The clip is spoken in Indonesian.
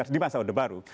di masa odeh baru